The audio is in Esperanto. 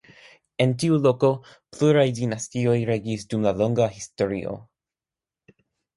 En tiu loko pluraj dinastioj regis dum la longa historio.